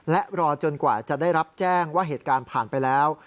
และรอจนกว่าจะได้รับแจ้งว่าเหตุการณ์ผ่านไปแล้ว